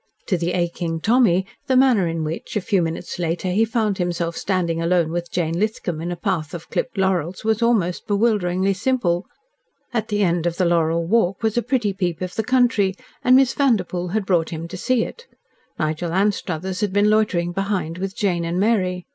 To the aching Tommy the manner in which, a few minutes later, he found himself standing alone with Jane Lithcom in a path of clipped laurels was almost bewilderingly simple. At the end of the laurel walk was a pretty peep of the country, and Miss Vanderpoel had brought him to see it. Nigel Anstruthers had been loitering behind with Jane and Mary.